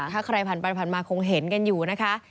ถ้าใครผ่านมาคงเห็นกันอยู่นะคะ